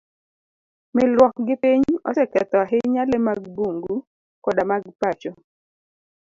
Milruok gi piny oseketho ahinya le mag bungu koda mag pacho.